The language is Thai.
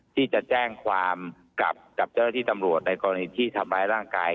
ที่จะแจ้งความกับเจ้าหน้าที่ตำรวจในกรณีที่ทำร้ายร่างกาย